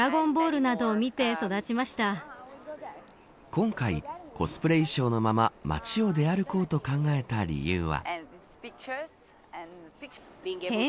今回、コスプレ衣装のまま街を出歩こうと考えた理由は。